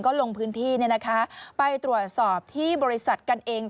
ก็ลงพื้นที่ไปตรวจสอบที่บริษัทกันเอง